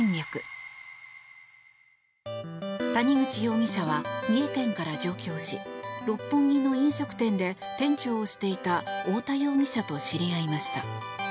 谷口容疑者は三重県から上京し六本木の飲食店で店長をしていた太田容疑者と知り合いました。